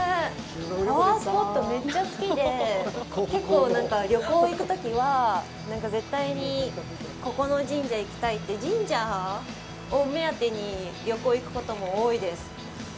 パワースポット、めっちゃ好きで、結構、旅行に行くときは、絶対にここの神社行きたいって、神社を目当てに旅行に行くことも多いです。